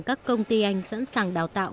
các công ty anh sẵn sàng đào tạo